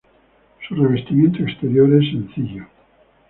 Su revestimiento exterior es sencillo.